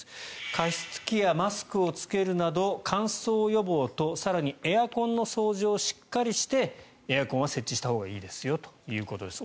加湿器やマスクを着けるなど乾燥予防と更にエアコンの掃除をしっかりしてエアコンは設置したほうがいいですよということです。